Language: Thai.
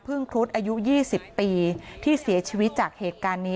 ครุฑอายุ๒๐ปีที่เสียชีวิตจากเหตุการณ์นี้